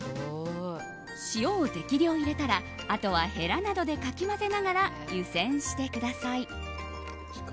塩を適量入れたらあとは、へらなどでかき混ぜながら湯煎してください。